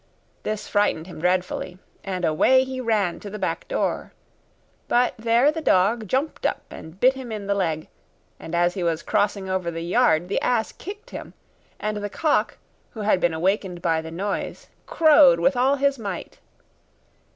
This frightened him dreadfully, and away he ran to the back door; but there the dog jumped up and bit him in the leg; and as he was crossing over the yard the ass kicked him; and the cock, who had been awakened by the noise, crowed with all his might.